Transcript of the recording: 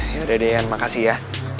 yaudah deh yan makasih ya